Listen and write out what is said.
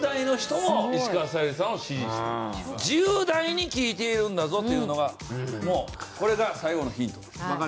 １０代に聞いているんだぞというのがもうこれが最後のヒントです。